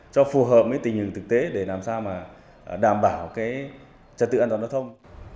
cho phù hợp với tình hình thực tế để làm sao mà đảm bảo trật tự an toàn giao thông